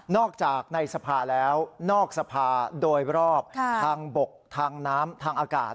อกจากในสภาแล้วนอกสภาโดยรอบทางบกทางน้ำทางอากาศ